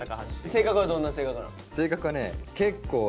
性格はどんな性格なの？